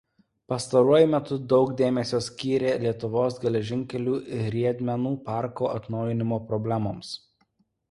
Pastaruoju metu daug dėmesio skyrė Lietuvos geležinkelių riedmenų parko atnaujinimo problemoms.